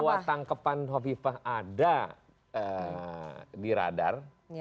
bahwa tangkepan hovifah ada di radar